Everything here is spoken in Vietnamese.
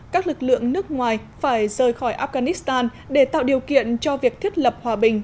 các lực lượng nước ngoài phải rời khỏi afghanistan để tạo điều kiện cho việc thiết lập hòa bình